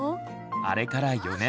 あれから４年。